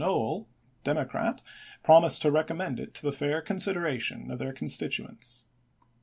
Noell, Democrat, promised to recommend it to the fair consideration of their constituents.